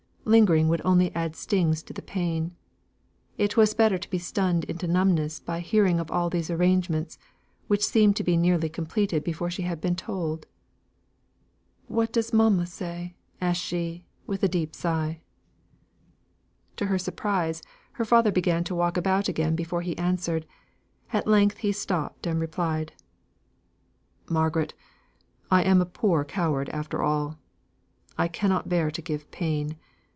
Lingering would only add stings to the pain; it was better to be stunned into numbness by hearing of all these arrangements, which seemed to be nearly completed before she had been told. "What does mamma say?" asked she, with a deep sigh. To her surprise, her father began to walk about again before he answered. At length he stopped and replied: "Margaret, I am a poor coward after all. I cannot bear to give pain.